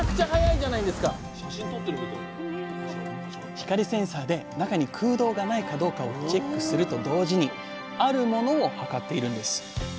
光センサーで中に空洞がないかどうかをチェックすると同時にあるものを測っているんです。